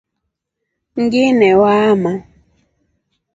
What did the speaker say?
Ngine waama.